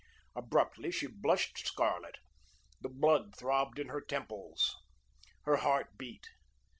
Abruptly she blushed scarlet. The blood throbbed in her temples. Her heart beat.